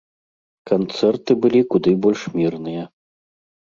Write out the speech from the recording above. Канцэрты былі куды больш мірныя.